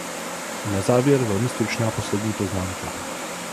A na závěr velmi stručná poslední poznámka.